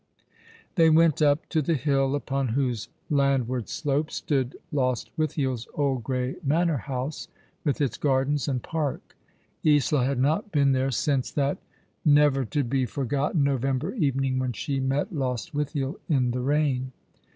They went up to the hill upon whose landward slope stood Lostwithiel's old grey manor house, with its gardens and park. Isola had not been there since that never to be for ^'A Love still homing ^tpzvard.'''' o^j gotten November evening when slie met Lostwitliiel in the rain.